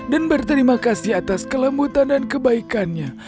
dan berterima kasih atas kelembutan dan kebaikannya